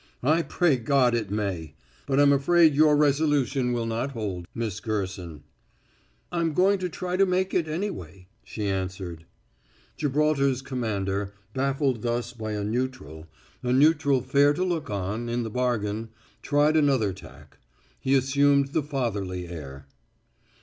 "I pray God it may. But I'm afraid your resolution will not hold, Miss Gerson." "I'm going to try to make it, anyway," she answered. Gibraltar's commander, baffled thus by a neutral a neutral fair to look on, in the bargain tried another tack. He assumed the fatherly air.